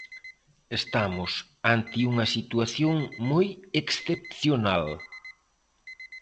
Estamos ante unha situación moi excepcional.